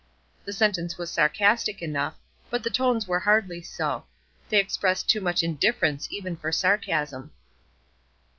The sentence was sarcastic enough, but the tones were hardly so; they expressed too much indifference even for sarcasm.